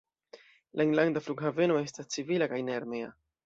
La enlanda flughaveno estas civila kaj ne armea.